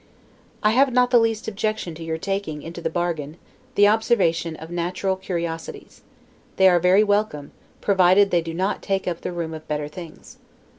I have not the least objection to your taking, into the bargain, the observation of natural curiosities; they are very welcome, provided they do not take up the room of better things.